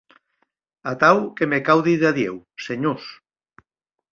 Atau que me cau díder adiu, senhors.